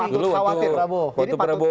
jadi patut khawatir prabowo